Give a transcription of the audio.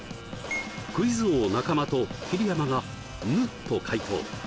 クイズ王中間と桐山が「ぬ」と解答